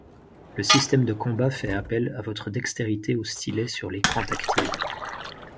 Le système de combat fait appel à votre dextérité au stylet sur l'écran tactile.